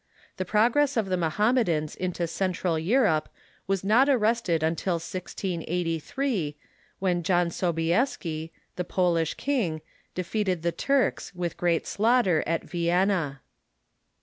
The progress of the Mohammedans into Central Europe was not arrested until 1683, when John Sobi eski, the Polish king, defeated the Turks, with great slaughter, at Vienna.